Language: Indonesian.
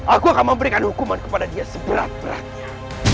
aku akan memberikan hukuman kepada dia seberat beratnya